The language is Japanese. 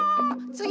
つぎ。